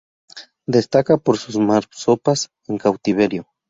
Destaca por sus marsopas en cautiverio.